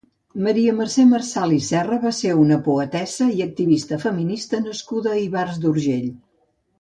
Maria Mercè Marçal i Serra va ser una poetessa i activista feminista nascuda a Ivars d'Urgell.